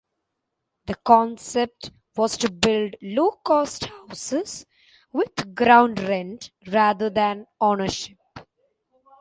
The concept was to build low-cost houses with ground-rent rather than ownership.